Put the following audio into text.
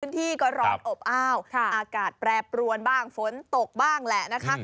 ที่ก็ร้อนอบอ้าวอากาศแปรปรวนบ้างฝนตกบ้างแหละนะคะ